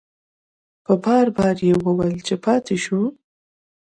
په بار بار یې وویل چې پاتې شو.